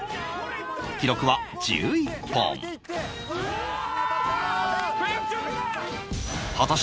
記録は１１本うわ！